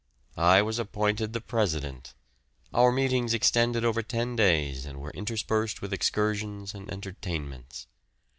I was appointed the president; our meetings extended over ten days and were interspersed with excursions and entertainments.